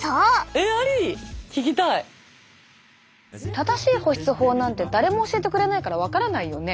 正しい保湿法なんて誰も教えてくれないから分からないよね。